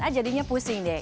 ah jadinya pusing deh